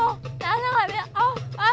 nanya gak beromong